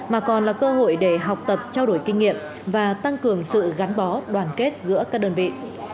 mà còn là cơ hội để học tập trao đổi kinh nghiệm và tăng cường sự gắn bó đoàn kết giữa các đơn vị